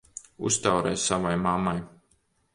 Uztaurē savai mammai!